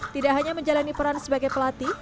tidak hanya menjalani peran sebagai pelatih